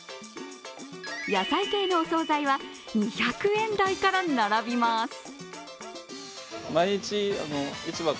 野菜系のお総菜は２００円台から並びます。